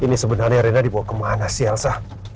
ini sebenarnya rena dibawa kemana sih elsa